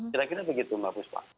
kira kira begitu mbak puspa